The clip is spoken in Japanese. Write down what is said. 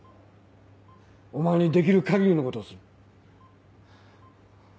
お前にできる限りのことをする。